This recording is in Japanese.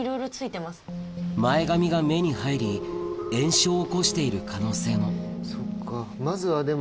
前髪が目に入り炎症を起こしている可能性もまずはでも。